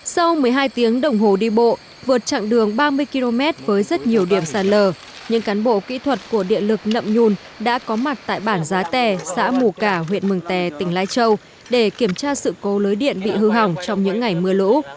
sau một mươi hai tiếng đồng hồ đi bộ vượt chặng đường ba mươi km với rất nhiều điểm sạt lở những cán bộ kỹ thuật của điện lực nậm nhun đã có mặt tại bản giá tè xã mù cả huyện mường tè tỉnh lai châu để kiểm tra sự cố lưới điện bị hư hỏng trong những ngày mưa lũ